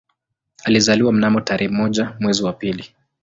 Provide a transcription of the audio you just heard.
Alizaliwa mnamo tarehe moja mwezi wa pili